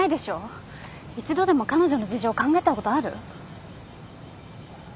一度でも彼女の事情考えたことある？